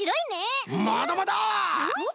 まだまだ！え！？